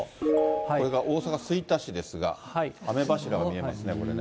これが大阪・吹田市ですが、雨柱が見えますね、これね。